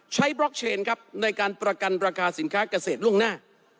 บล็อกเชนครับในการประกันราคาสินค้าเกษตรล่วงหน้า